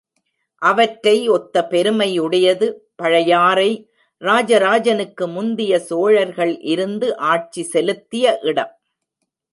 அவற்றை ஒத்த பெருமை உடையது பழையாறை, ராஜராஜனுக்கு முந்திய சோழர்கள் இருந்து ஆட்சி செலுத்திய இடம்.